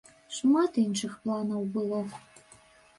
Шмат іншых планаў было.